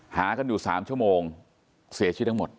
หากันอยู่๓ชั่วโมงเสียชีวิตทั้งหมด